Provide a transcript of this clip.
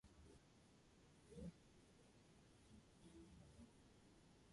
After a few months he gave up studying and headed to London.